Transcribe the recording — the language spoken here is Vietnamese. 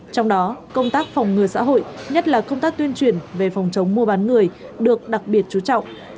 trong đó công tác phòng ngừa xã hội nhất là công tác tuyên truyền về phòng chống mua bán người được đặc biệt chú trọng